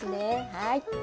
はい。